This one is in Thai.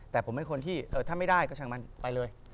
แต่ผมเป็นคนที่ถ้าไม่ได้ก็ช่างมันไปเลย